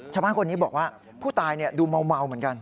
ชาวบ้านคนนี้บอกว่าผู้ตายดูเมาเหมือนกัน